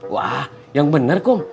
wah yang bener kum